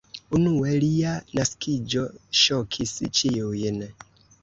Unue lia naskiĝo ŝokis ĉiujn.